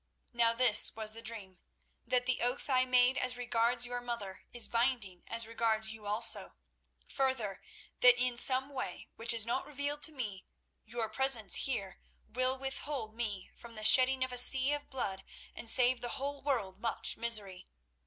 "Now this was the dream—that the oath I made as regards your mother is binding as regards you also; further, that in some way which is not revealed to me, your presence here will withhold me from the shedding of a sea of blood, and save the whole world much misery.